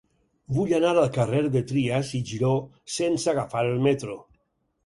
Vull anar al carrer de Trias i Giró sense agafar el metro.